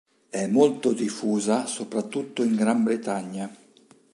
È molto diffusa soprattutto in Gran Bretagna.